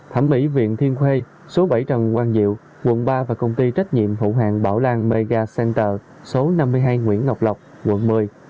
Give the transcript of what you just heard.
thẩm mỹ viện thiên khuê số bảy trần quang diệu quận ba và công ty trách nhiệm hữu hàng bảo lan mega center số năm mươi hai nguyễn ngọc lộc quận một mươi